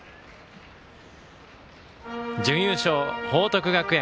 準優勝、報徳学園。